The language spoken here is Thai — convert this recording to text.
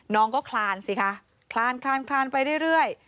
น้องก็คลานสิคะคลานไปเรื่อย